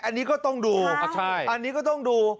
อันนี้ก็ต้องดูอันนี้ก็ต้องดู